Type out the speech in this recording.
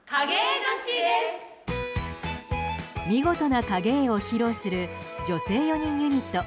見事な影絵を披露する女性４人ユニット